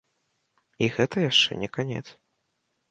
І гэта яшчэ не канец.